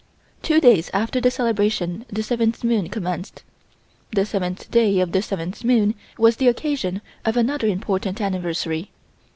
Two days after the celebration the seventh moon commenced. The seventh day of the seventh moon was the occasion of another important anniversary.